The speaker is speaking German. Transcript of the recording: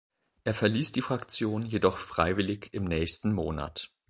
Er verließ die Fraktion jedoch freiwillig im nächsten Monat.